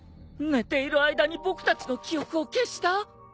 寝ている間に僕たちの記憶を消した？